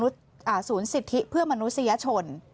ศูนย์สิทธิเพื่อมนุษยชน